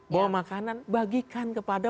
bawa makanan bagikan kepada